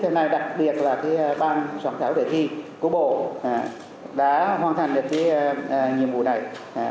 thêm là đặc biệt là ban sản phẩm đề thi của bộ đã hoàn thành được nhiệm vụ này